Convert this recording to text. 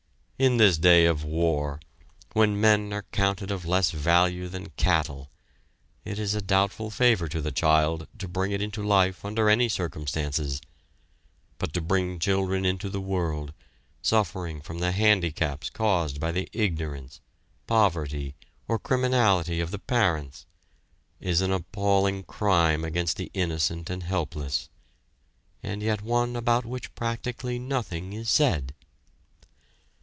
In this day of war, when men are counted of less value than cattle, it is a doubtful favor to the child to bring it into life under any circumstances, but to bring children into the world, suffering from the handicaps caused by the ignorance, poverty, or criminality of the parents, is an appalling crime against the innocent and helpless, and yet one about which practically nothing is said.